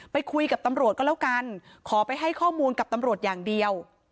ไปคุยกับตำรวจก็แล้วกันขอไปให้ข้อมูลกับตำรวจอย่างเดียว